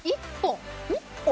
１本？